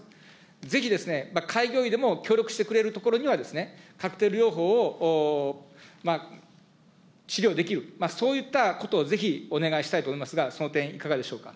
ぜひ開業医でも協力してくれるところには、カクテル療法を治療できる、そういったことをぜひ、お願いしたいと思いますが、その点いかがでしょうか。